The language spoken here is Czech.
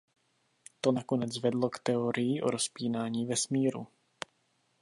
To nakonec vedlo k teorii o rozpínání vesmíru.